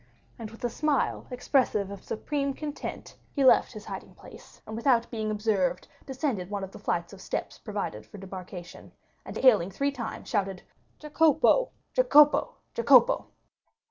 20064m And with a smile expressive of supreme content, he left his hiding place, and without being observed, descended one of the flights of steps provided for debarkation, and hailing three times, shouted "Jacopo, Jacopo, Jacopo!"